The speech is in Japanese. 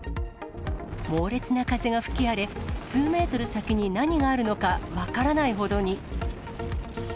猛烈な風が吹き荒れ、数メートル先に何があるのか分からないほどに。